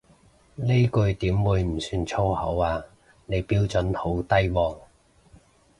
呢句點會唔算粗口啊，你標準好低喎